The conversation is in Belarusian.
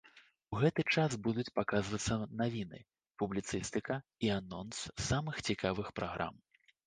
У гэты час будуць паказвацца навіны, публіцыстыка і анонс самых цікавых праграм.